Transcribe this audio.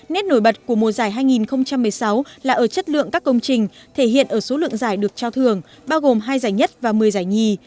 nét nổi bật của mùa giải hai nghìn một mươi sáu là ở chất lượng các công trình thể hiện ở số lượng giải được trao thường bao gồm hai giải nhất và một mươi giải nhì